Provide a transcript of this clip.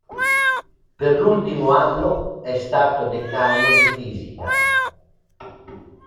Per l'ultimo anno è stato Decano di Fisica.